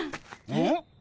えっ？